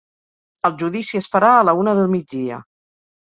El judici es farà a la una del migdia.